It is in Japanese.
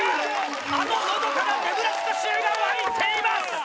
あののどかなネブラスカ州が沸いています！